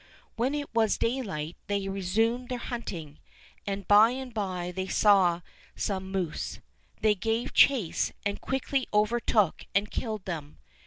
When it was daylight they resumed their hunting, and by and by they saw some moose. They gave chase and quickly over took and killed them.